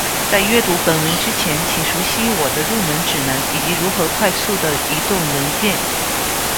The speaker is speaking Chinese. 在阅读本文之前，请熟悉我的入门指南以及如何快速地移动文件。